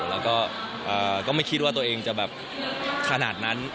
แล้วก็ไม่คิดว่าตัวเองจะแบบขนาดนั้น